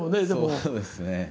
そうですね。